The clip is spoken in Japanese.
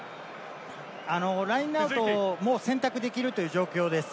ラインアウトも選択できるという状況です。